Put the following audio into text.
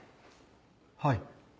はい。